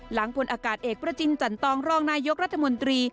หลังพลอากาศเอกประจินจันตองรองนายกรัฐมนตรี